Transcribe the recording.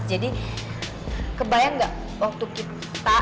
jadi kebayang gak waktu kita